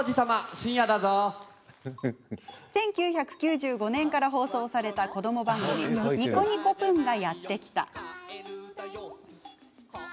１９９５年から放送された子ども番組「にこにこぷんがやってきた！」